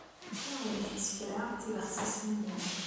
Ur awen-d-ttekkseɣ tibexsisin-nwen.